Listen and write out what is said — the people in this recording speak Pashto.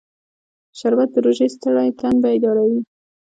شربت د روژې ستړی تن بیداروي